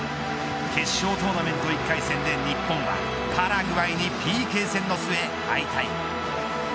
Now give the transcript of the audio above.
決勝トーナメント１回戦で日本はパラグアイに、ＰＫ戦の末敗退。